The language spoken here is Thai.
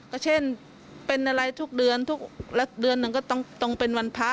ก็เช่นเป็นอะไรทุกเดือนทุกเดือนเดือนหนึ่งก็ต้องเป็นวันพระ